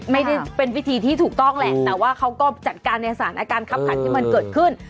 ไม่ได้เป็นวิธีที่ถูกต้องแหละแต่ว่าเขาก็จัดการในสารอาการคับขันที่มันเกิดขึ้น